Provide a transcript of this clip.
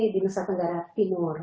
di nusa tenggara timur